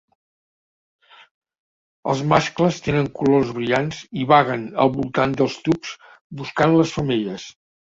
Els mascles tenen colors brillants i vaguen al voltant dels tubs buscant les femelles.